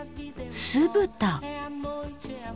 すぶた。